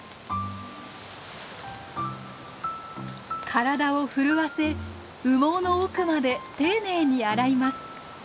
体を震わせ羽毛の奥まで丁寧に洗います。